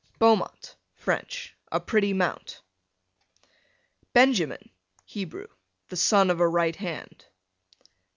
Beaumont, French, a pretty mount. Benjamin, Hebrew, the son of a right hand.